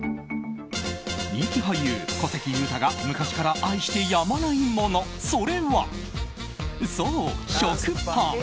人気俳優、小関裕太が昔から愛してやまないものそれはそう、食パン。